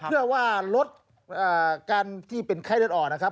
เพื่อว่าลดการที่เป็นไข้เลือดออกนะครับ